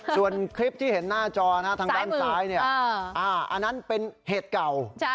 ส่วนคลิปที่เห็นหน้าจอทางด้านซ้ายอันนั้นเป็นเหตุเก่า